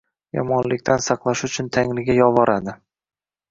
yomonliqdan saqlashi uchun Tangriga yolvoradi.